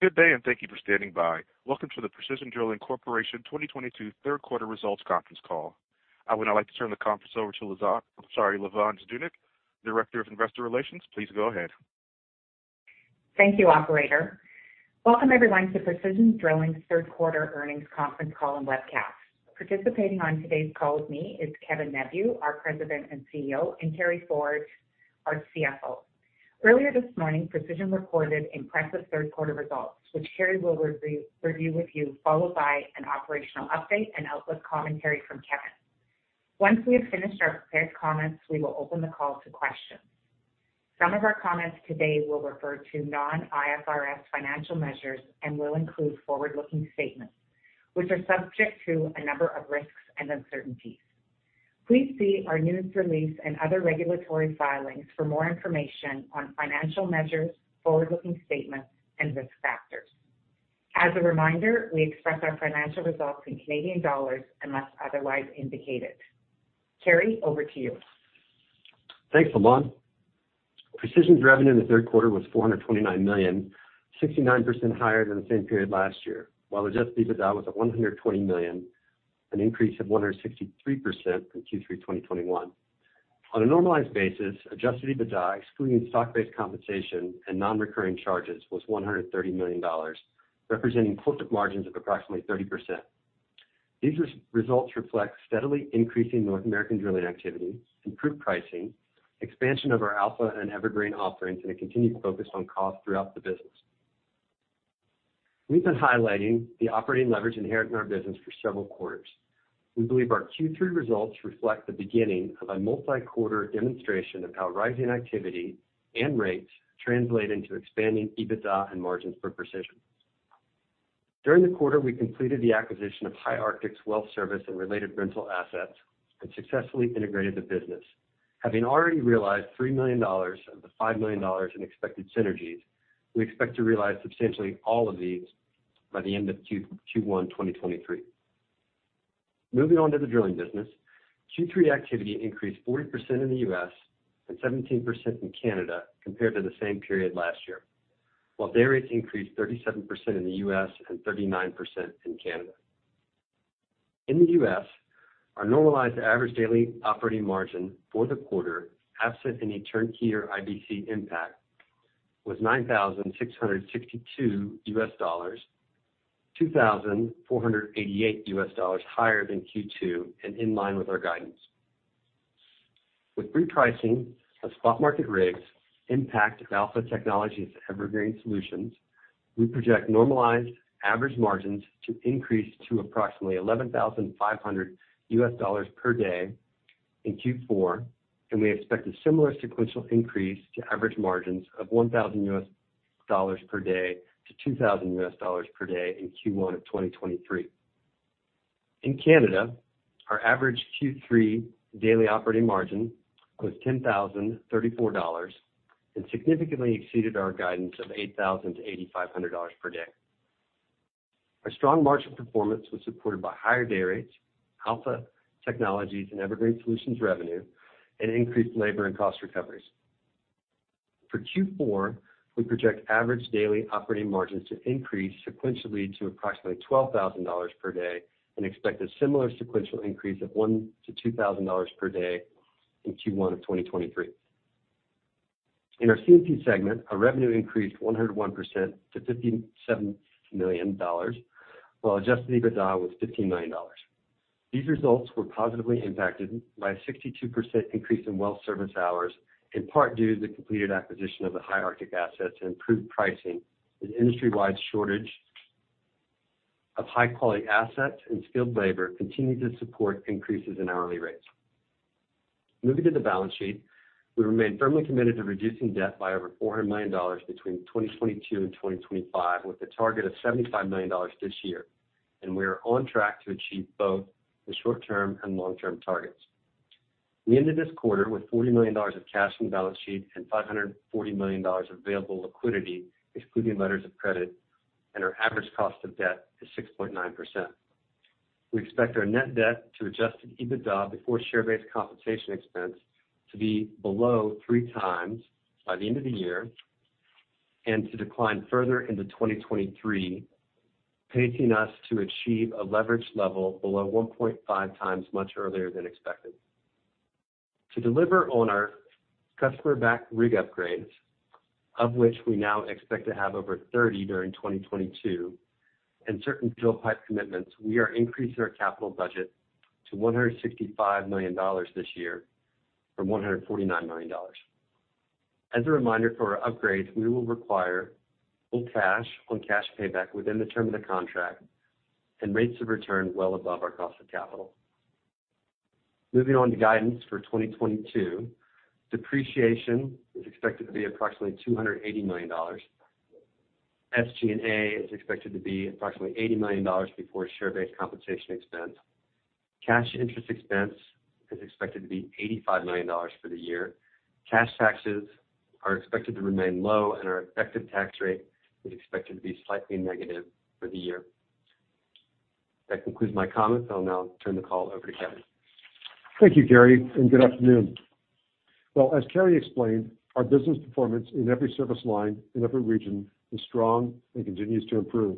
Good day, and thank you for standing by. Welcome to the Precision Drilling Corporation 2022 third quarter results conference call. I would now like to turn the conference over to Lavonne Zdunich, Vice President, Investor Relations. Please go ahead. Thank you, operator. Welcome everyone to Precision Drilling third quarter earnings conference call and webcast. Participating on today's call with me is Kevin Neveu, our President and CEO, and Carey Ford, our CFO. Earlier this morning, Precision recorded impressive third quarter results, which Carey will review with you, followed by an operational update and outlook commentary from Kevin. Once we have finished our prepared comments, we will open the call to questions. Some of our comments today will refer to non-IFRS financial measures and will include forward-looking statements, which are subject to a number of risks and uncertainties. Please see our news release and other regulatory filings for more information on financial measures, forward-looking statements, and risk factors. As a reminder, we express our financial results in Canadian dollars unless otherwise indicated. Carey, over to you. Thanks, Lavonne. Precision's revenue in the third quarter was 429 million, 69% higher than the same period last year. While adjusted EBITDA was at 120 million, an increase of 163% from Q3 2021. On a normalized basis, adjusted EBITDA, excluding stock-based compensation and non-recurring charges, was 130 million dollars, representing positive margins of approximately 30%. These results reflect steadily increasing North American drilling activity, improved pricing, expansion of our Alpha and EverGreen offerings, and a continued focus on cost throughout the business. We've been highlighting the operating leverage inherent in our business for several quarters. We believe our Q3 results reflect the beginning of a multi-quarter demonstration of how rising activity and rates translate into expanding EBITDA and margins for Precision. During the quarter, we completed the acquisition of High Arctic's well service and related rental assets and successfully integrated the business. Having already realized 3 million dollars of the 5 million dollars in expected synergies, we expect to realize substantially all of these by the end of Q1 2023. Moving on to the drilling business. Q3 activity increased 40% in the U.S. and 17% in Canada compared to the same period last year. While dayrates increased 37% in the U.S. and 39% in Canada. In the U.S., our normalized average daily operating margin for the quarter, absent any turnkey or IBC impact, was $9,662, $2,488 higher than Q2 and in line with our guidance. With repricing of spot market rigs impact of Alpha and EverGreen, we project normalized average margins to increase to approximately $11,500 per day in Q4, and we expect a similar sequential increase to average margins of $1,000 per day to $2,000 per day in Q1 of 2023. In Canada, our average Q3 daily operating margin was 10,034 dollars and significantly exceeded our guidance of 8,000-8,500 dollars per day. Our strong margin performance was supported by higher dayrates, Alpha and EverGreen revenue, and increased labor and cost recoveries. For Q4, we project average daily operating margins to increase sequentially to approximately 12,000 dollars per day and expect a similar sequential increase of 1,000-2,000 dollars per day in Q1 of 2023. In our C&PS segment, our revenue increased 101% to 57 million dollars, while adjusted EBITDA was 15 million dollars. These results were positively impacted by a 62% increase in well service hours, in part due to the completed acquisition of the High Arctic assets and improved pricing. An industry-wide shortage of high-quality assets and skilled labor continued to support increases in hourly rates. Moving to the balance sheet. We remain firmly committed to reducing debt by over 400 million dollars between 2022 and 2025, with a target of 75 million dollars this year, and we are on track to achieve both the short-term and long-term targets. We ended this quarter with 40 million dollars of cash on the balance sheet and 540 million dollars of available liquidity, excluding letters of credit, and our average cost of debt is 6.9%. We expect our net debt adjusted to EBITDA before share-based compensation expense to be below 3x by the end of the year and to decline further into 2023, pacing us to achieve a leverage level below 1.5x much earlier than expected. To deliver on our customer-backed rig upgrades, of which we now expect to have over 30 during 2022, and certain drill pipe commitments, we are increasing our capital budget to 165 million dollars this year from 149 million dollars. As a reminder for our upgrades, we will require full cash on cash payback within the term of the contract and rates of return well above our cost of capital. Moving on to guidance for 2022. Depreciation is expected to be approximately 280 million dollars. SG&A is expected to be approximately 80 million dollars before share-based compensation expense. Cash interest expense is expected to be 85 million dollars for the year. Cash taxes are expected to remain low, and our effective tax rate is expected to be slightly negative for the year. That concludes my comments. I'll now turn the call over to Kevin. Thank you, Carey, and good afternoon. Well, as Carey explained, our business performance in every service line in every region is strong and continues to improve.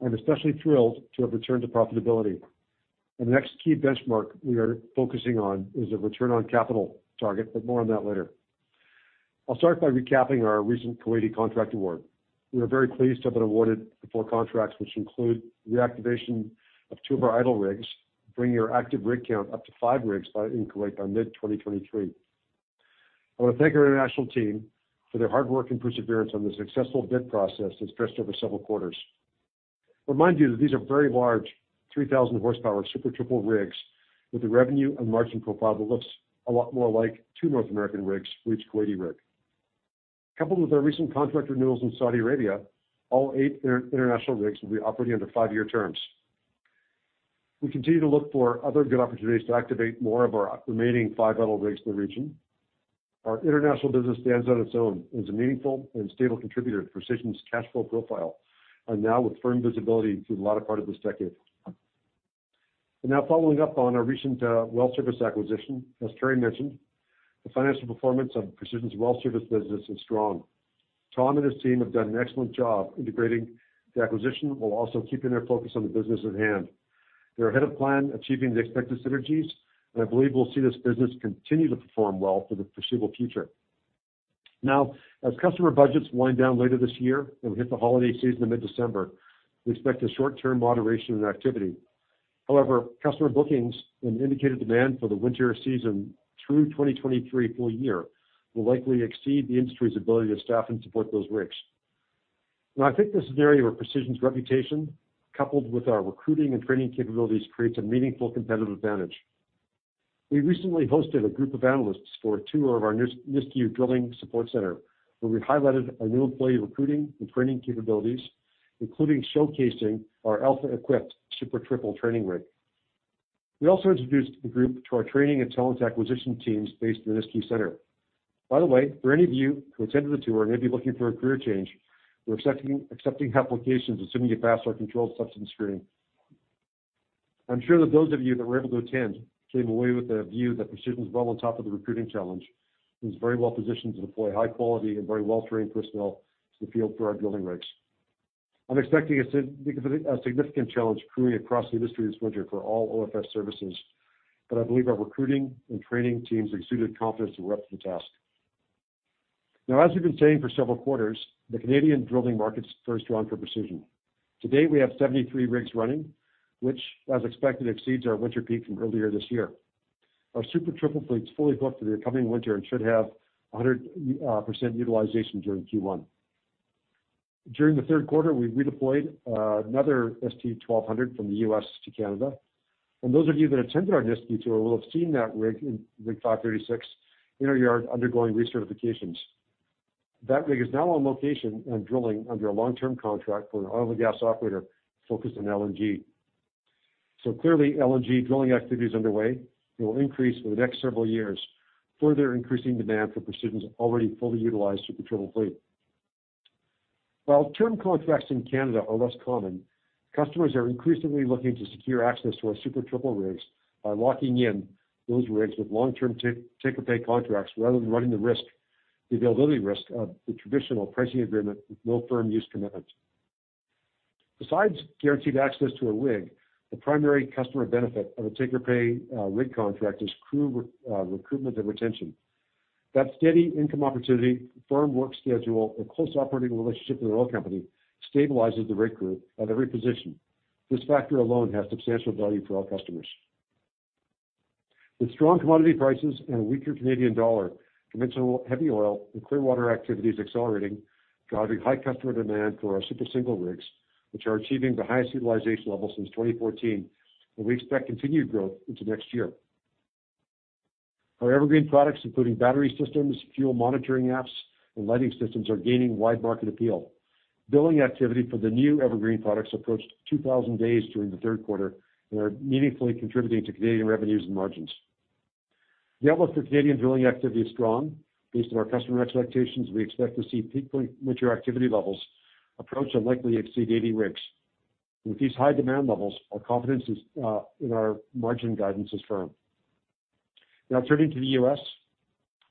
I'm especially thrilled to have returned to profitability. The next key benchmark we are focusing on is a return on capital target, but more on that later. I'll start by recapping our recent Kuwaiti contract award. We are very pleased to have been awarded the four contracts, which include reactivation of two of our idle rigs, bringing our active rig count up to five rigs in Kuwait by mid-2023. I wanna thank our international team for their hard work and perseverance on the successful bid process that stretched over several quarters. Remind you that these are very large 3,000 horsepower Super Triple rigs with the revenue and margin profile that looks a lot more like two North American rigs for each Kuwaiti rig. Coupled with our recent contract renewals in Saudi Arabia, all eight international rigs will be operating under five-year terms. We continue to look for other good opportunities to activate more of our remaining 5 idle rigs in the region. Our international business stands on its own as a meaningful and stable contributor to Precision's cash flow profile, and now with firm visibility through the latter part of this decade. Now following up on our recent well service acquisition, as Carey mentioned, the financial performance of Precision's well service business is strong. Tom and his team have done an excellent job integrating the acquisition while also keeping their focus on the business at hand. They're ahead of plan, achieving the expected synergies, and I believe we'll see this business continue to perform well for the foreseeable future. Now, as customer budgets wind down later this year and we hit the holiday season in mid-December, we expect a short-term moderation in activity. However, customer bookings and indicated demand for the winter season through 2023 full year will likely exceed the industry's ability to staff and support those rigs. Now, I think this is an area where Precision's reputation, coupled with our recruiting and training capabilities, creates a meaningful competitive advantage. We recently hosted a group of analysts for a tour of our Nisku drilling support center, where we highlighted our new employee recruiting and training capabilities, including showcasing our Alpha-equipped Super Triple training rig. We also introduced the group to our training and talent acquisition teams based in the Nisku center. By the way, for any of you who attended the tour and may be looking for a career change, we're accepting applications assuming you pass our controlled substance screening. I'm sure that those of you that were able to attend came away with a view that Precision's well on top of the recruiting challenge and is very well positioned to deploy high quality and very well-trained personnel to the field for our drilling rigs. I'm expecting a significant challenge crewing across the industry this winter for all OFS services, but I believe our recruiting and training teams exuded confidence that we're up to the task. Now, as we've been saying for several quarters, the Canadian drilling market is very strong for Precision. To date, we have 73 rigs running, which, as expected, exceeds our winter peak from earlier this year. Our Super Triple fleet's fully booked for the upcoming winter and should have 100% utilization during Q1. During the third quarter, we redeployed another ST1200 from the U.S to Canada. Those of you that attended our Nisku tour will have seen that rig 536, in our yard undergoing recertifications. That rig is now on location and drilling under a long-term contract for an oil and gas operator focused on LNG. Clearly, LNG drilling activity is underway and will increase over the next several years, further increasing demand for Precision's already fully utilized Super Triple fleet. While term contracts in Canada are less common, customers are increasingly looking to secure access to our Super Triple rigs by locking in those rigs with long-term take or pay contracts rather than running the risk, the availability risk of the traditional pricing agreement with no firm use commitment. Besides guaranteed access to a rig, the primary customer benefit of a take or pay rig contract is crew recruitment and retention. That steady income opportunity, firm work schedule, and close operating relationship with an oil company stabilizes the rig crew at every position. This factor alone has substantial value for our customers. With strong commodity prices and a weaker Canadian dollar, conventional heavy oil and Clearwater activity is accelerating, driving high customer demand for our Super Single rigs, which are achieving the highest utilization levels since 2014, and we expect continued growth into next year. Our EverGreen products, including battery systems, fuel monitoring apps, and lighting systems, are gaining wide market appeal. Billing activity for the new EverGreen products approached 2,000 days during the third quarter and are meaningfully contributing to Canadian revenues and margins. The outlook for Canadian drilling activity is strong. Based on our customer expectations, we expect to see peak winter activity levels approach and likely exceed 80 rigs. With these high demand levels, our confidence is in our margin guidance is firm. Now turning to the U.S.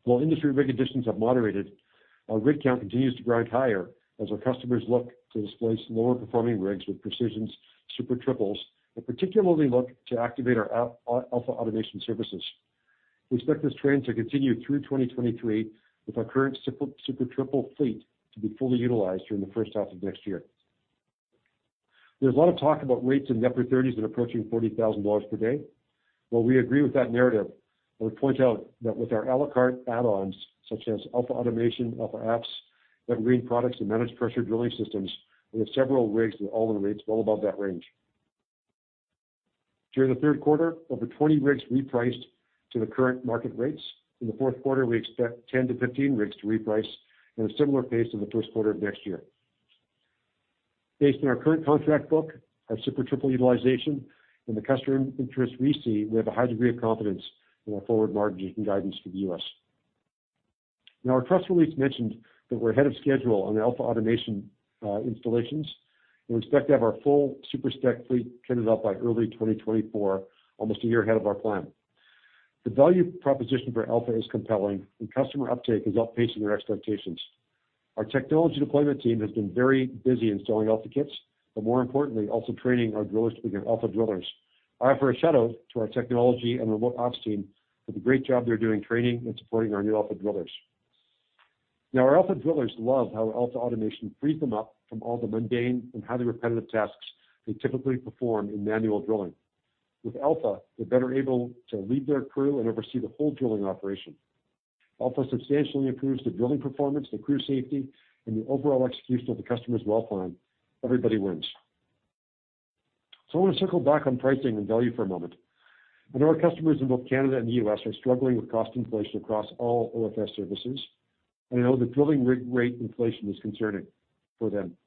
While industry rig additions have moderated, our rig count continues to grind higher as our customers look to displace lower-performing rigs with Precision's Super Triples and particularly look to activate our Alpha automation services. We expect this trend to continue through 2023, with our current Super Triple fleet to be fully utilized during the first half of next year. There's a lot of talk about rates in the upper 30s and approaching $40,000 per day. While we agree with that narrative, I would point out that with our a la carte add-ons, such as Alpha automation, Alpha apps, EverGreen products, and Managed Pressure Drilling systems, we have several rigs with all-in rates well above that range. During the third quarter, over 20 rigs repriced to the current market rates. In the fourth quarter, we expect 10-15 rigs to reprice at a similar pace in the first quarter of next year. Based on our current contract book, our Super Triple utilization, and the customer interest we see, we have a high degree of confidence in our forward margins and guidance for the U.S. Now our press release mentioned that we're ahead of schedule on the Alpha automation installations. We expect to have our full Super Spec fleet kitted up by early 2024, almost a year ahead of our plan. The value proposition for Alpha is compelling and customer uptake is outpacing their expectations. Our technology deployment team has been very busy installing Alpha kits, but more importantly, also training our drillers to be our Alpha drillers. I offer a shout-out to our technology and remote ops team for the great job they're doing training and supporting our new Alpha drillers. Now our Alpha drillers love how our Alpha automation frees them up from all the mundane and highly repetitive tasks they typically perform in manual drilling. With Alpha, they're better able to lead their crew and oversee the whole drilling operation. Alpha substantially improves the drilling performance, the crew safety, and the overall execution of the customer's well plan. Everybody wins. I wanna circle back on pricing and value for a moment. I know our customers in both Canada and the U.S. are struggling with cost inflation across all OFS services, and I know the drilling rig rate inflation is concerning for them.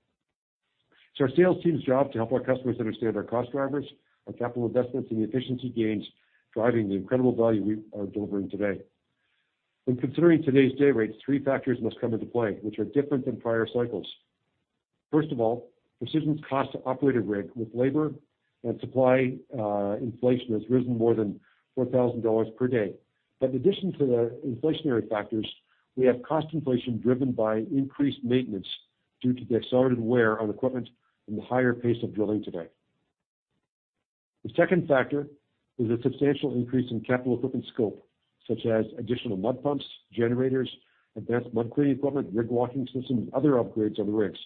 It's our sales team's job to help our customers understand our cost drivers, our capital investments, and the efficiency gains driving the incredible value we are delivering today. When considering today's day rates, three factors must come into play, which are different than prior cycles. First of all, Precision's cost to operate a rig with labor and supply inflation has risen more than 4,000 dollars per day. In addition to the inflationary factors, we have cost inflation driven by increased maintenance due to the accelerated wear on equipment and the higher pace of drilling today. The second factor is a substantial increase in capital equipment scope, such as additional mud pumps, generators, advanced mud cleaning equipment, rig walking systems, and other upgrades on the rigs.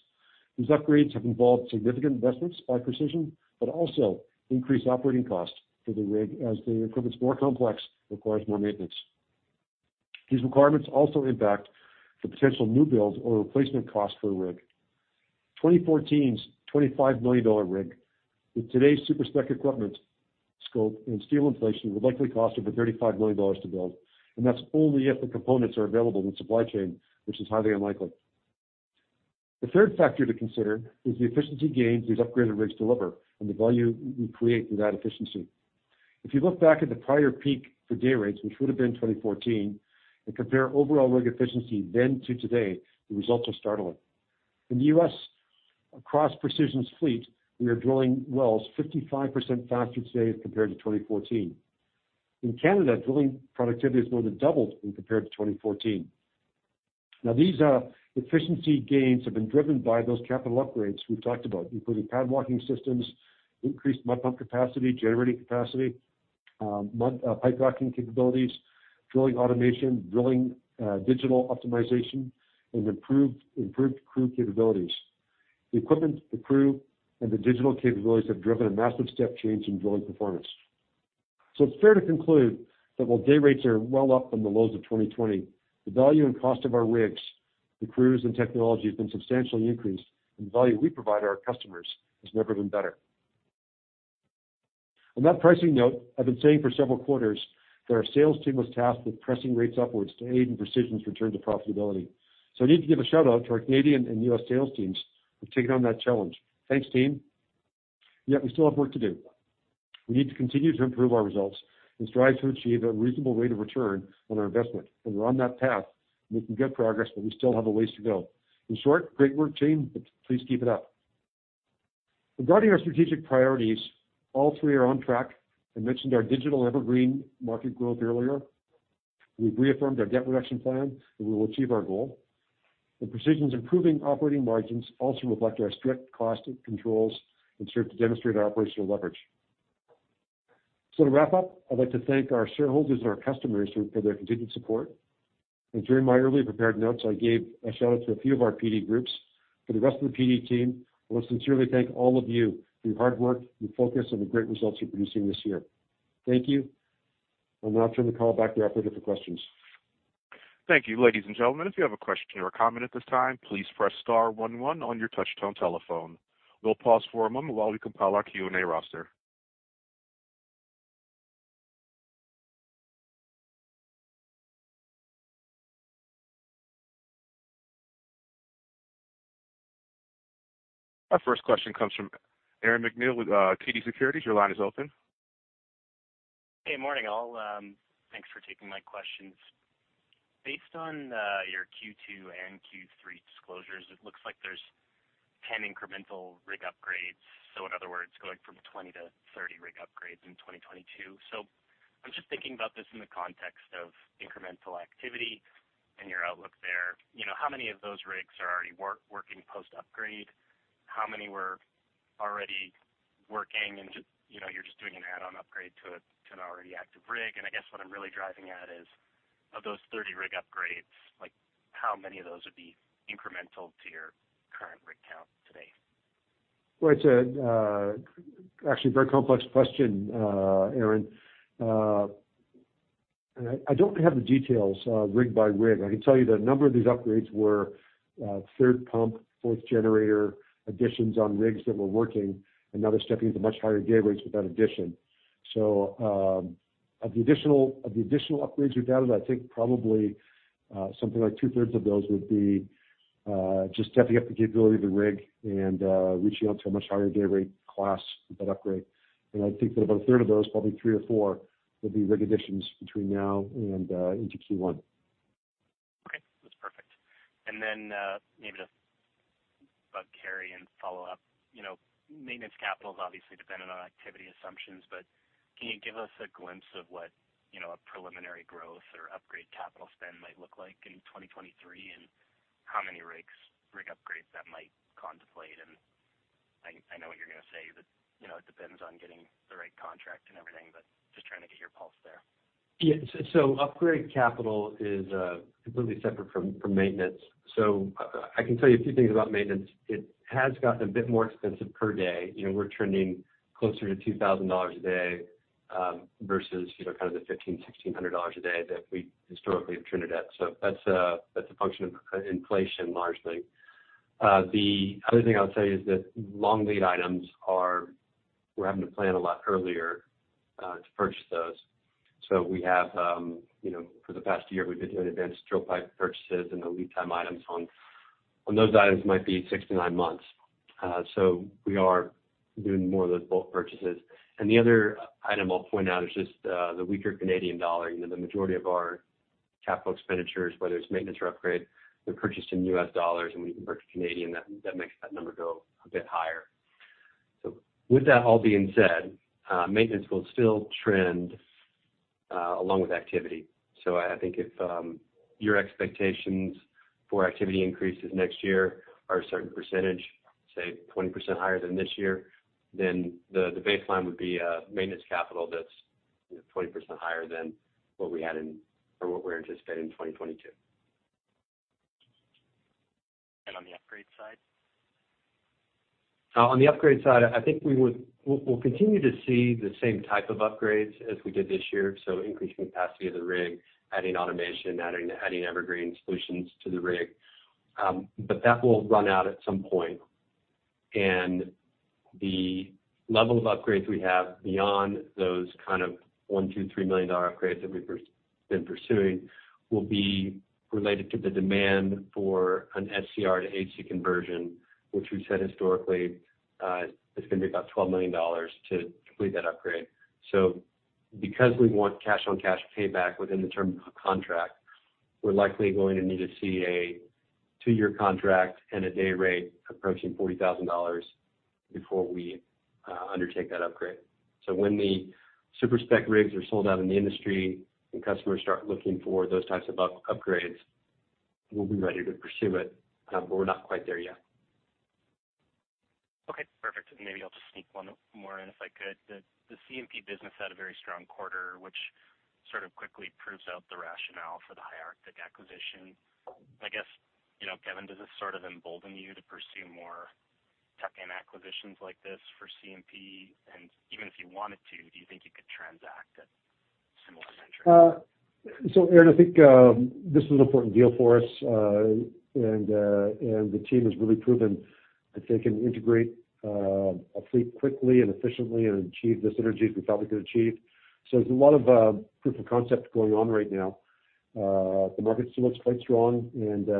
These upgrades have involved significant investments by Precision, but also increased operating costs for the rig as the equipment's more complex, requires more maintenance. These requirements also impact the potential new builds or replacement cost for a rig. 2014's CAD 25 million rig with today's Super Spec equipment scope and steel inflation would likely cost over 35 million dollars to build, and that's only if the components are available in supply chain, which is highly unlikely. The third factor to consider is the efficiency gains these upgraded rigs deliver and the value we create through that efficiency. If you look back at the prior peak for day rates, which would've been 2014, and compare overall rig efficiency then to today, the results are startling. In the U.S, across Precision's fleet, we are drilling wells 55% faster today as compared to 2014. In Canada, drilling productivity has more than doubled when compared to 2014. Now these efficiency gains have been driven by those capital upgrades we've talked about, including pad walking systems, increased mud pump capacity, generating capacity, pipe racking capabilities, drilling automation, digital optimization, and improved crew capabilities. The equipment, the crew, and the digital capabilities have driven a massive step change in drilling performance. It's fair to conclude that while day rates are well up from the lows of 2020, the value and cost of our rigs, the crews and technology has been substantially increased, and the value we provide our customers has never been better. On that pricing note, I've been saying for several quarters that our sales team was tasked with pressing rates upwards to aid in Precision's return to profitability. I need to give a shout-out to our Canadian and U.S sales teams who've taken on that challenge. Thanks, team. Yet we still have work to do. We need to continue to improve our results and strive to achieve a reasonable rate of return on our investment and we're on that path making good progress, but we still have a ways to go. In short, great work team, but please keep it up. Regarding our strategic priorities, all three are on track. I mentioned our digital EverGreen market growth earlier. We've reaffirmed our debt reduction plan, and we will achieve our goal. Precision's improving operating margins also reflect our strict cost controls and serve to demonstrate our operational leverage. To wrap up, I'd like to thank our shareholders and our customers for their continued support. During my early prepared notes, I gave a shout-out to a few of our PD groups. For the rest of the PD team, I wanna sincerely thank all of you for your hard work, your focus, and the great results you're producing this year. Thank you. I'll now turn the call back to the operator for questions. Thank you. Ladies and gentlemen, if you have a question or a comment at this time, please press star one one on your touchtone telephone. We'll pause for a moment while we compile our Q&A roster. Our first question comes from Aaron MacNeil with TD Securities. Your line is open. Hey, morning all. Thanks for taking my questions. Based on your Q2 and Q3 disclosures, it looks like there's 10 incremental rig upgrades. In other words, going from 20-30 rig upgrades in 2022. I'm just thinking about this in the context of incremental activity and your outlook there. You know, how many of those rigs are already working post-upgrade? How many were already working and just, you know, you're just doing an add-on upgrade to an already active rig? I guess what I'm really driving at is, of those 30 rig upgrades, like how many of those would be incremental to your current rig count today? Well, it's actually a very complex question, Aaron. I don't have the details, rig by rig. I can tell you that a number of these upgrades were third pump, fourth generator additions on rigs that were working and now they're stepping into much higher day rates with that addition. Of the additional upgrades you've added, I think probably something like two-thirds of those would be just stepping up the capability of the rig and reaching out to a much higher day rate class with that upgrade. I think that about a third of those, probably three or four, will be rig additions between now and into Q1. Okay, that's perfect. Maybe just a follow-up for Carey. You know, maintenance capital is obviously dependent on activity assumptions, but can you give us a glimpse of what, you know, a preliminary growth or upgrade capital spend might look like in 2023, and how many rig upgrades that might contemplate? I know what you're gonna say, but, you know, it depends on getting the right contract and everything, but just trying to get your pulse there. Upgrade capital is completely separate from maintenance. I can tell you a few things about maintenance. It has gotten a bit more expensive per day. We're trending closer to 2,000 dollars a day versus kind of the 1,500-1,600 dollars a day that we historically have trended at. That's a function of inflation largely. The other thing I'll say is that long lead items are. We're having to plan a lot earlier to purchase those. We have, for the past year, we've been doing advanced drill pipe purchases and the lead time items on those items might be 6-9 months. We are doing more of those bulk purchases. The other item I'll point out is just the weaker Canadian dollar. You know, the majority of our capital expenditures, whether it's maintenance or upgrade, they're purchased in U.S. dollars and we convert to Canadian. That makes that number go a bit higher. With that all being said, maintenance will still trend along with activity. I think if your expectations for activity increases next year are a certain percentage, say 20% higher than this year, then the baseline would be maintenance capital that's, you know, 20% higher than what we had in or what we're anticipating in 2022. On the upgrade side? On the upgrade side, I think we'll continue to see the same type of upgrades as we did this year. Increasing capacity of the rig, adding automation, adding EverGreen solutions to the rig. That will run out at some point. The level of upgrades we have beyond those kind of 1 million dollar, CAD 2 million, 3 million-dollar upgrades that we've been pursuing will be related to the demand for an SCR to AC conversion, which we've said historically is gonna be about 12 million dollars to complete that upgrade. Because we want cash on cash payback within the term of a contract, we're likely going to need to see a two-year contract and a day rate approaching 40,000 dollars before we undertake that upgrade. When the Super Spec rigs are sold out in the industry and customers start looking for those types of upgrades, we'll be ready to pursue it, but we're not quite there yet. Okay, perfect. Maybe I'll just sneak one more in, if I could. The CMP business had a very strong quarter, which sort of quickly proves out the rationale for the High Arctic acquisition. I guess, you know, Kevin Neveu, does this sort of embolden you to pursue more tuck-in acquisitions like this for CMP? Even if you wanted to, do you think you could transact at similar metrics? Aaron, I think this is an important deal for us. The team has really proven that they can integrate a fleet quickly and efficiently and achieve the synergies we thought we could achieve. There's a lot of proof of concept going on right now. The market still looks quite strong, and you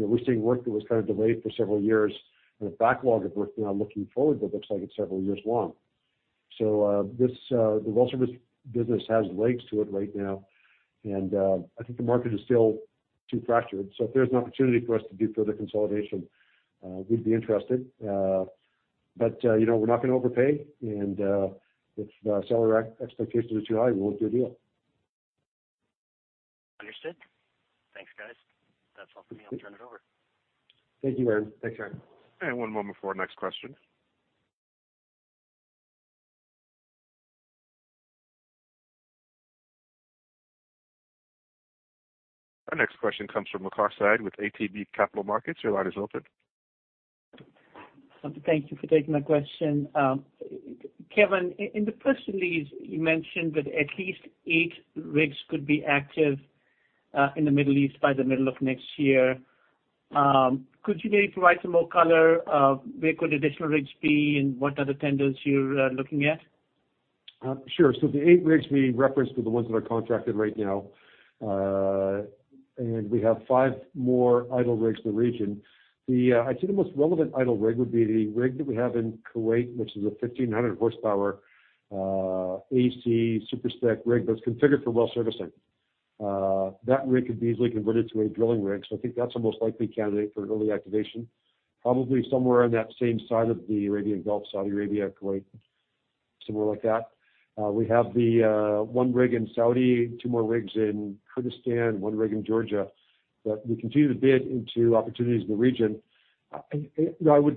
know, we're seeing work that was kind of delayed for several years and a backlog of work now looking forward that looks like it's several years long. The well service business has legs to it right now, and I think the market is still too fractured. If there's an opportunity for us to do further consolidation, we'd be interested. You know, we're not gonna overpay, and if seller expectations are too high, we won't do a deal. Understood. Thanks, guys. That's all for me. I'll turn it over. Thank you, Aaron. Thanks, Aaron. One moment for our next question. Our next question comes from Waqar Syed with ATB Capital Markets. Your line is open. Thank you for taking my question. Kevin, in the press release, you mentioned that at least eight rigs could be active in the Middle East by the middle of next year. Could you maybe provide some more color of where could additional rigs be and what other tenders you're looking at? The 8 rigs we referenced were the ones that are contracted right now. We have five more idle rigs in the region. I'd say the most relevant idle rig would be the rig that we have in Kuwait, which is a 1500 horsepower AC Super Spec rig that's configured for well servicing. That rig could be easily converted to a drilling rig, so I think that's the most likely candidate for an early activation, probably somewhere on that same side of the Arabian Gulf, Saudi Arabia, Kuwait, somewhere like that. We have the one rig in Saudi, two more rigs in Kurdistan, one rig in Georgia. We continue to bid into opportunities in the region. You know,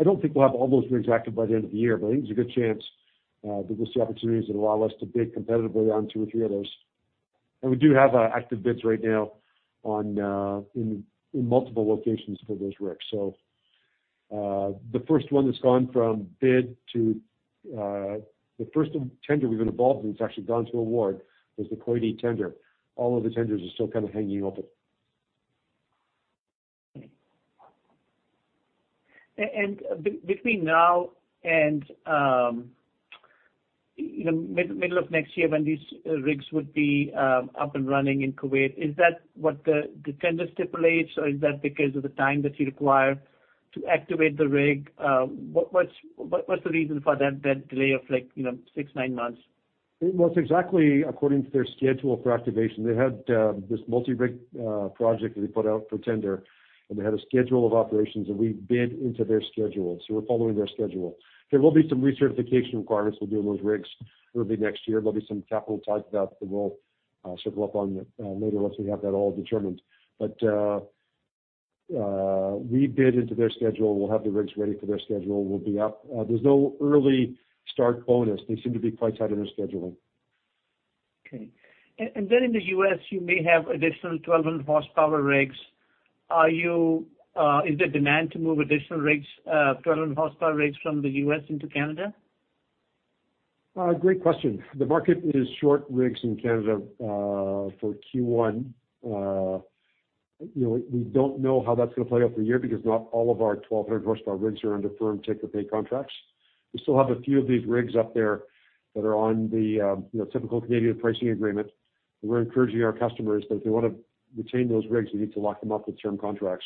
I don't think we'll have all those rigs active by the end of the year, but I think there's a good chance that we'll see opportunities that allow us to bid competitively on two or three of those. We do have active bids right now in multiple locations for those rigs. The first one that's gone from bid to the first tender we've been involved in that's actually gone to award was the Kuwaiti tender. All other tenders are still kind of hanging open. Between now and you know middle of next year when these rigs would be up and running in Kuwait, is that what the tender stipulates or is that because of the time that you require to activate the rig? What's the reason for that delay of like you know 6-9 months? Well, it's exactly according to their schedule for activation. They had this multi-rig project that they put out for tender, and they had a schedule of operations, and we bid into their schedule. We're following their schedule. There will be some recertification requirements we'll do on those rigs early next year. There'll be some capital tied to that we'll circle up on later once we have that all determined. We bid into their schedule. We'll have the rigs ready for their schedule. We'll be up. There's no early start bonus. They seem to be quite tight in their scheduling. Okay. In the U.S, you may have additional 1,200 horsepower rigs. Is there demand to move additional 1,200 horsepower rigs from the U.S into Canada? Great question. The market is short rigs in Canada for Q1. You know, we don't know how that's gonna play out for the year because not all of our 1,200-horsepower rigs are under firm take-or-pay contracts. We still have a few of these rigs up there that are on the, you know, typical Canadian pricing agreement. We're encouraging our customers that if they wanna retain those rigs, we need to lock them up with term contracts.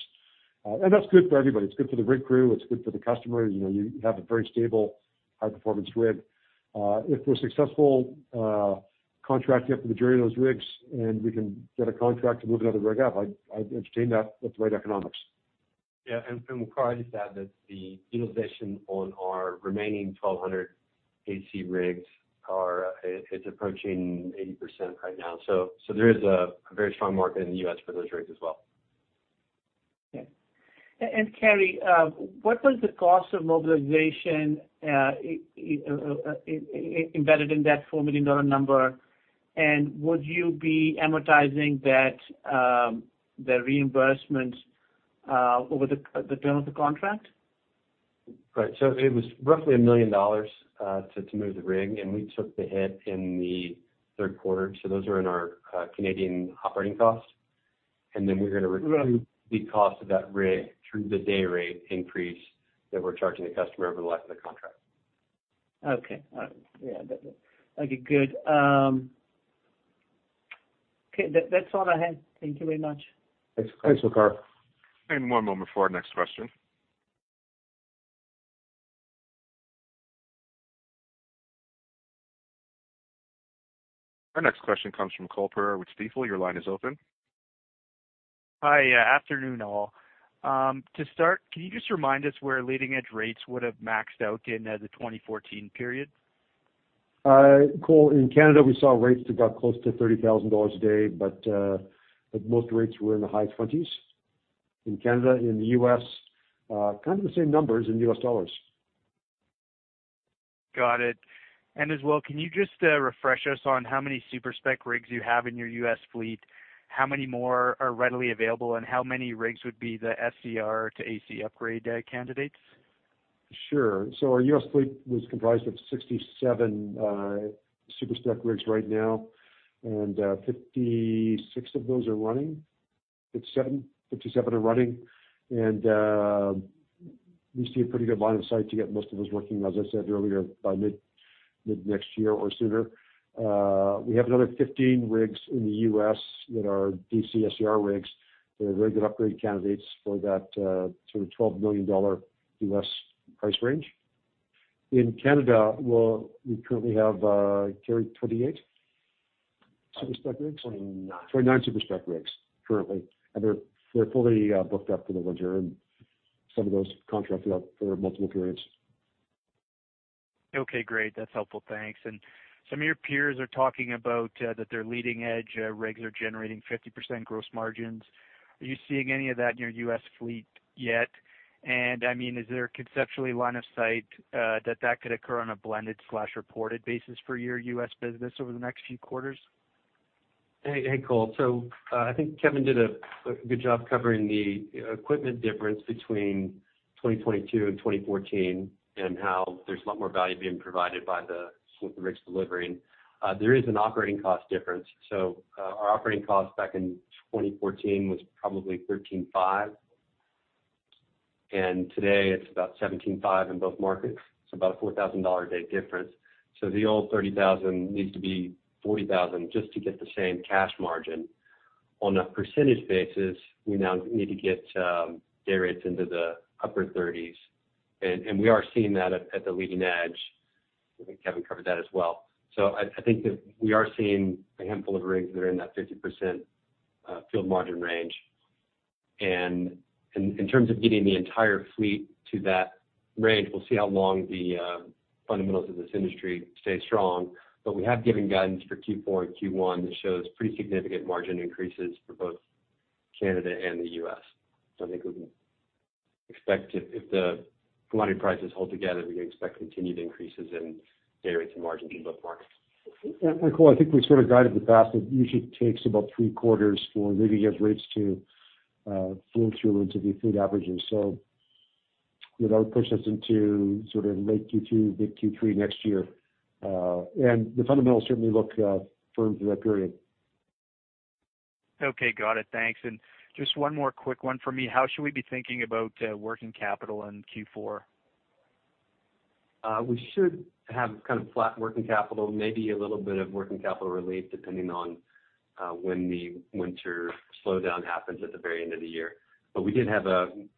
That's good for everybody. It's good for the rig crew. It's good for the customer. You know, you have a very stable, high performance rig. If we're successful contracting up the majority of those rigs, and we can get a contract to move another rig up, I'd entertain that with the right economics. Waqar Syed, I'd just add that the utilization on our remaining 1,200 AC rigs is approaching 80% right now. There is a very strong market in the U.S. for those rigs as well. Carey, what was the cost of mobilization embedded in that 4 million dollar number? Would you be amortizing that, the reimbursement over the term of the contract? Right. It was roughly 1 million dollars to move the rig, and we took the hit in the third quarter. Those are in our Canadian operating costs. Then we're gonna recoup the cost of that rig through the day rate increase that we're charging the customer over the life of the contract. Okay. All right. Yeah. That's it. Okay, good. Okay. That's all I had. Thank you very much. Thanks, Waqar. One moment for our next question. Our next question comes from Cole Pereira with Stifel. Your line is open. Hi. Afternoon, all. To start, can you just remind us where leading edge rates would have maxed out in the 2014 period? Cole, in Canada, we saw rates that got close to 30,000 dollars a day, but most rates were in the high 20s in Canada. In the US, kind of the same numbers in US dollars. Got it. As well, can you just refresh us on how many Super Spec rigs you have in your U.S. fleet? How many more are readily available, and how many rigs would be the SCR to AC upgrade candidates? Sure. Our U.S fleet was comprised of 67 Super Spec rigs right now, and 56 of those are running. 57 are running. We see a pretty good line of sight to get most of those working, as I said earlier, by mid next year or sooner. We have another 15 rigs in the U.S that are DC SCR rigs that are very good upgrade candidates for that sort of $12 million U.S price range. In Canada, well, we currently have, Carey, 28 Super Spec rigs? 29. 29 Super Spec rigs currently, and they're fully booked up for the winter, and some of those contracted out for multiple periods. Okay, great. That's helpful. Thanks. Some of your peers are talking about that their leading edge rigs are generating 50% gross margins. Are you seeing any of that in your U.S fleet yet? I mean, is there conceptually line of sight that could occur on a blended slash reported basis for your U.S business over the next few quarters? Hey, Cole. I think Kevin Neveu did a good job covering the equipment difference between 2022 and 2014 and how there's a lot more value being provided by the rigs delivering. There is an operating cost difference. Our operating cost back in 2014 was probably $13,500, and today it's about $17,500 in both markets. It's about a $4,000 a day difference. The old $30,000 needs to be $40,000 just to get the same cash margin. On a percentage basis, we now need to get day rates into the upper thirties. And we are seeing that at the leading edge. I think Kevin Neveu covered that as well. I think that we are seeing a handful of rigs that are in that 50% field margin range. In terms of getting the entire fleet to that range, we'll see how long the fundamentals of this industry stay strong. We have given guidance for Q4 and Q1 that shows pretty significant margin increases for both Canada and the U.S. I think we can expect, if the commodity prices hold together, continued increases in day rates and margins in both markets. Cole, I think we sort of guided the past. It usually takes about three quarters for leading edge rates to flow through into the fleet averages. You know, that would push us into sort of late Q2, mid Q3 next year. The fundamentals certainly look firm for that period. Okay, got it. Thanks. Just one more quick one for me. How should we be thinking about working capital in Q4? We should have kind of flat working capital, maybe a little bit of working capital relief depending on when the winter slowdown happens at the very end of the year. You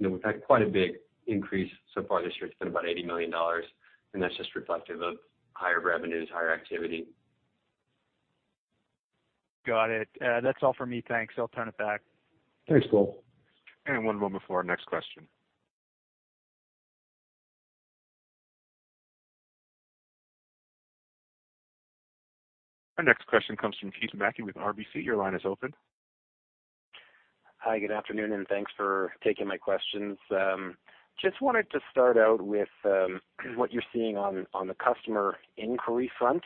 know, we've had quite a big increase so far this year. It's been about 80 million dollars, and that's just reflective of higher revenues, higher activity. Got it. That's all for me. Thanks. I'll turn it back. Thanks, Cole Pereira. One moment before our next question. Our next question comes from Keith Mackey with RBC. Your line is open. Hi, good afternoon, and thanks for taking my questions. Just wanted to start out with what you're seeing on the customer inquiry front,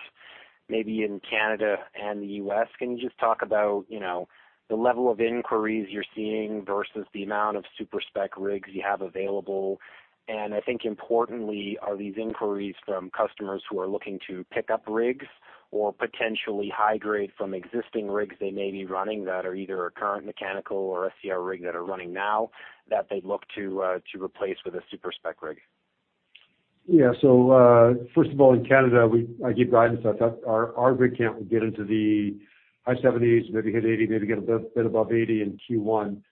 maybe in Canada and the US. Can you just talk about, you know, the level of inquiries you're seeing versus the amount of Super Spec rigs you have available? I think importantly, are these inquiries from customers who are looking to pick up rigs or potentially upgrade from existing rigs they may be running that are either a current mechanical or SCR rig that are running now that they'd look to replace with a Super Spec rig? First of all, in Canada, I gave guidance. I thought our rig count will get into the high 70s, maybe hit 80, maybe get a bit above 80 in Q1,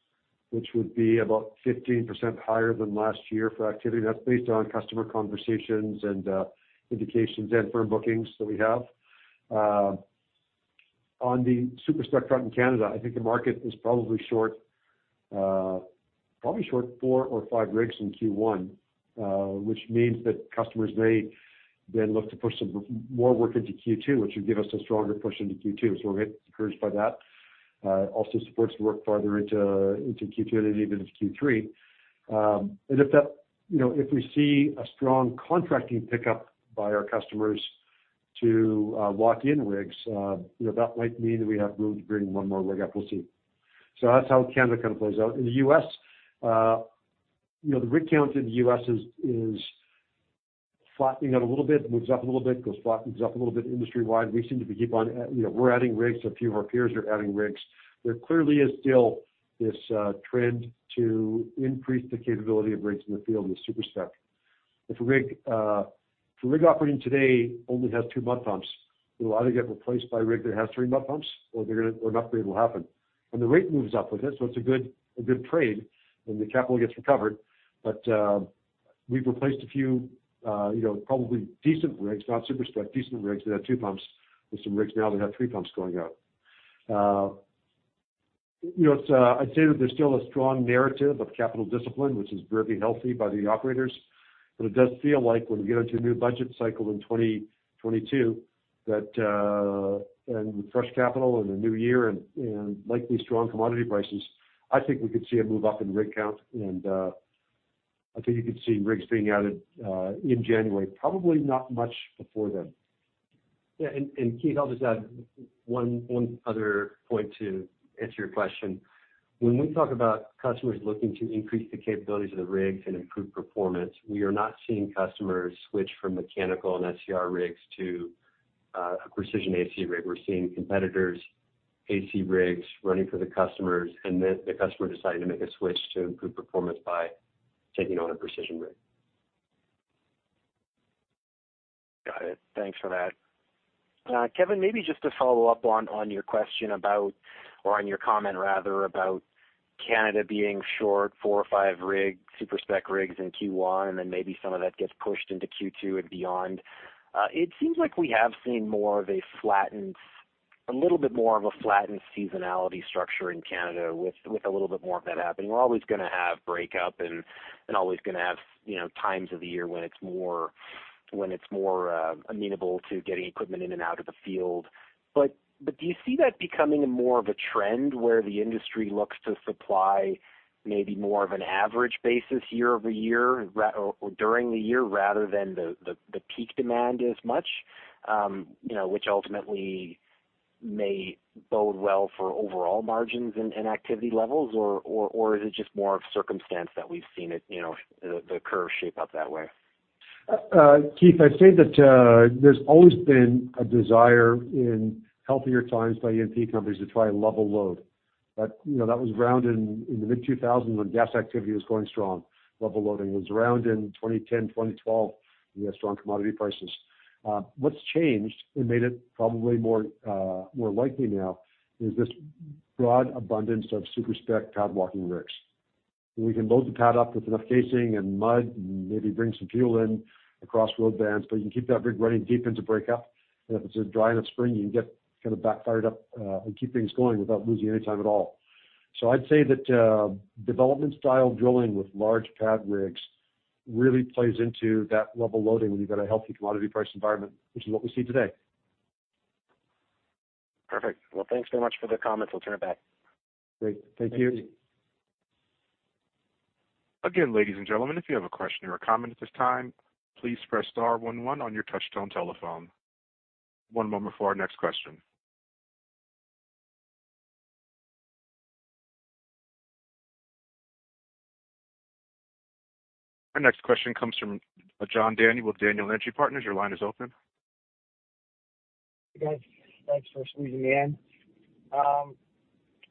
which would be about 15% higher than last year for activity. That's based on customer conversations and indications and firm bookings that we have. On the Super Spec front in Canada, I think the market is probably short four or five rigs in Q1, which means that customers may then look to push some more work into Q2, which would give us a stronger push into Q2. We're encouraged by that. It also supports work farther into Q2 and even into Q3. If that, you know, if we see a strong contracting pickup by our customers to lock in rigs, you know, that might mean that we have room to bring one more rig up. We'll see. That's how Canada kind of plays out. In the U.S., you know, the rig count in the U.S. is flattening out a little bit. Moves up a little bit, goes flat, moves up a little bit industry-wide. We're adding rigs. A few of our peers are adding rigs. There clearly is still this trend to increase the capability of rigs in the field with Super Spec. If a rig operating today only has two mud pumps, it'll either get replaced by a rig that has three mud pumps or an upgrade will happen. The rate moves up with it, so it's a good trade, and the capital gets recovered. We've replaced a few, you know, probably decent rigs, not Super Spec, decent rigs that had two pumps with some rigs now that have three pumps going out. You know, it's, I'd say that there's still a strong narrative of capital discipline, which is very healthy by the operators. It does feel like when we get into a new budget cycle in 2022, that, and with fresh capital and a new year and likely strong commodity prices, I think we could see a move up in rig count. I think you could see rigs being added in January, probably not much before then. Yeah. Keith, I'll just add one other point to answer your question. When we talk about customers looking to increase the capabilities of the rigs and improve performance, we are not seeing customers switch from mechanical and SCR rigs to a Precision AC rig. We're seeing competitors' AC rigs running for the customers and then the customer deciding to make a switch to improve performance by taking on a Precision rig. Got it. Thanks for that. Kevin, maybe just to follow up on your comment rather about Canada being short four or five Super Spec rigs in Q1, and then maybe some of that gets pushed into Q2 and beyond. It seems like we have seen a little bit more of a flattened seasonality structure in Canada with a little bit more of that happening. We're always gonna have breakup and always gonna have, you know, times of the year when it's more amenable to getting equipment in and out of the field. Do you see that becoming more of a trend where the industry looks to supply maybe more of an average basis year over year or during the year rather than the peak demand as much, you know, which ultimately may bode well for overall margins and activity levels? Is it just more of circumstance that we've seen it, you know, the curve shape up that way? Keith, I'd say that there's always been a desire in healthier times by E&P companies to try and level load. You know, that was around in the mid-2000s when gas activity was going strong. Level loading was around in 2010, 2012, when we had strong commodity prices. What's changed and made it probably more likely now is this broad abundance of Super Spec pad-walking rigs. We can load the pad up with enough casing and mud and maybe bring some fuel in across road bans, but you can keep that rig running deep into breakup. If it's a dry enough spring, you can get kind of back up and fired up and keep things going without losing any time at all. I'd say that, development style drilling with large pad rigs really plays into that level loading when you've got a healthy commodity price environment, which is what we see today. Perfect. Well, thanks so much for the comments. We'll turn it back. Great. Thank you. Again, ladies and gentlemen, if you have a question or a comment at this time, please press star one one on your touchtone telephone. One moment for our next question. Our next question comes from John Daniel with Daniel Energy Partners. Your line is open. Hey, guys. Thanks for squeezing me in. I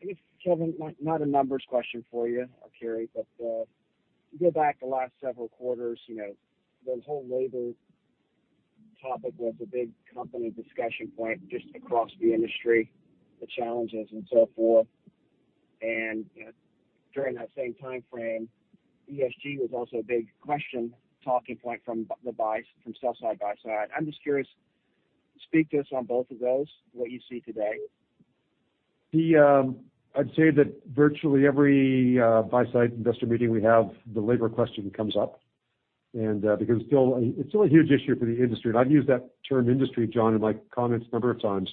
guess, Kevin, not a numbers question for you or Carey, but you go back the last several quarters, you know, the whole labor topic was a big company discussion point just across the industry, the challenges and so forth. During that same timeframe, ESG was also a big question, talking point from sell side, buy side. I'm just curious, speak to us on both of those, what you see today. I'd say that virtually every buy-side investor meeting we have, the labor question comes up. Because it's still a huge issue for the industry. I've used that term industry, John, in my comments a number of times.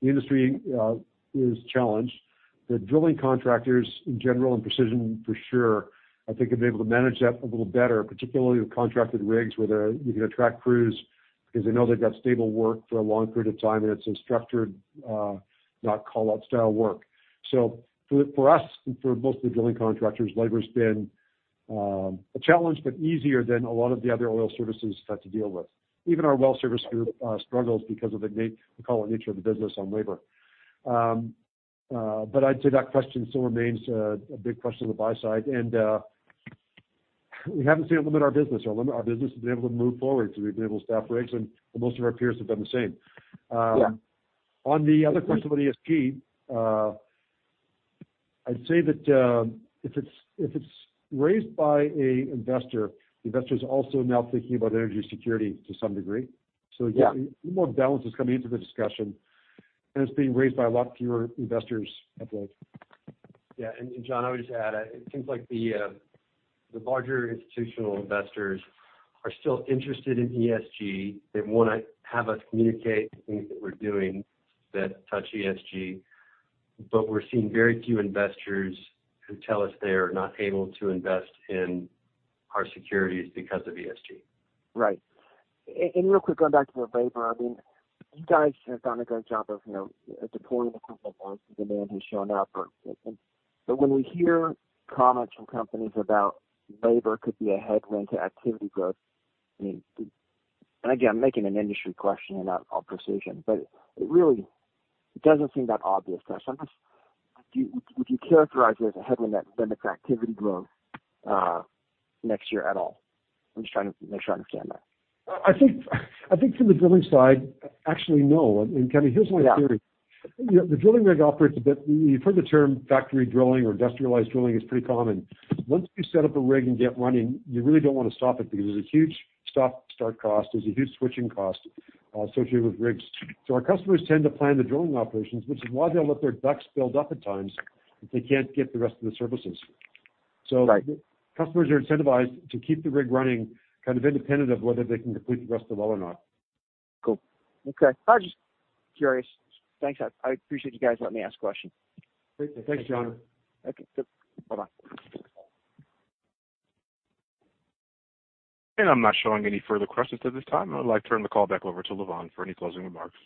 The industry is challenged. The drilling contractors in general, and Precision for sure, I think have been able to manage that a little better, particularly with contracted rigs where you can attract crews because they know they've got stable work for a long period of time, and it's a structured not call-out style work. For us, and for most of the drilling contractors, labor's been a challenge, but easier than a lot of the other oil services have to deal with. Even our well service group struggles because of the nature of the business on labor. I'd say that question still remains a big question on the buy side. We haven't seen it limit our business. We've been able to move forward. We've been able to staff rigs, and most of our peers have done the same. Yeah. On the other question on ESG, I'd say that if it's raised by an investor, the investor is also now thinking about energy security to some degree. Yeah. A little more balance is coming into the discussion, and it's being raised by a lot fewer investors I believe. Yeah. John, I would just add, it seems like the larger institutional investors are still interested in ESG. They wanna have us communicate the things that we're doing that touch ESG, but we're seeing very few investors who tell us they are not able to invest in our securities because of ESG. Right. Real quick, going back to the labor, I mean, you guys have done a good job of, you know, deploying equipment once the demand has shown up. When we hear comments from companies about labor could be a headwind to activity growth, I mean, again, making an industry question and not on Precision, but it really doesn't seem that obvious to us. Would you characterize it as a headwind that limits activity growth next year at all? I'm just trying to make sure I understand that. I think from the drilling side, actually, no. Kevin, here's my theory. Yeah. The drilling rig operates a bit, you've heard the term factory drilling or industrialized drilling is pretty common. Once you set up a rig and get running, you really don't wanna stop it because there's a huge stop start cost. There's a huge switching cost associated with rigs. Our customers tend to plan the drilling operations, which is why they'll let their DUCs build up at times if they can't get the rest of the services. Right. Customers are incentivized to keep the rig running kind of independent of whether they can complete the rest of the well or not. Cool. Okay. I was just curious. Thanks. I appreciate you guys letting me ask questions. Great. Thanks, John. Okay. Bye-bye. I'm not showing any further questions at this time. I'd like to turn the call back over to Lavonne for any closing remarks.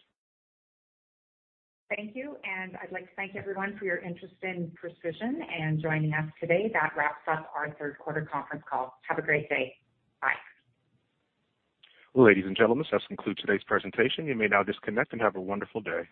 Thank you. I'd like to thank everyone for your interest in Precision and joining us today. That wraps up our third quarter conference call. Have a great day. Bye. Ladies and gentlemen, this does conclude today's presentation. You may now disconnect and have a wonderful day.